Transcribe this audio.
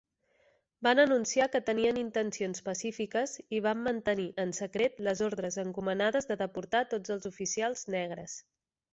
Van anunciar que tenien intencions pacífiques i van mantenir en secret les ordres encomanades de deportar tots els oficials negres.